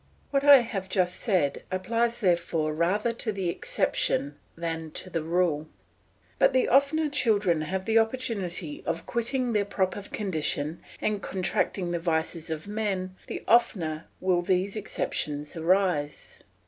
What I have just said applies therefore rather to the exception than the rule. But the oftener children have the opportunity of quitting their proper condition, and contracting the vices of men, the oftener will these exceptions arise.